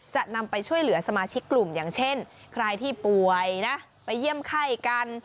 จะนำไปช่วยเหลือสมาชิกกลุ่มอย่างเช่นใครที่ป่วยนะไปเยี่ยมไข้กัน